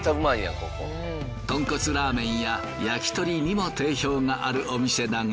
とんこつラーメンや焼き鳥にも定評があるお店だが。